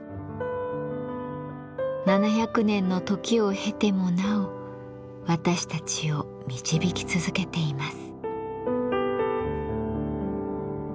７００年の時を経てもなお私たちを導き続けています。